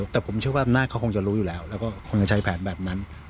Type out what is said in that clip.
แต่ผมเชื่อว่าอำนาจเขาคงจะรู้อยู่แล้วแล้วก็คงจะใช้แผนแบบนั้น